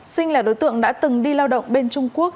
sinh là đối tượng đã từng đi lao động bên trung quốc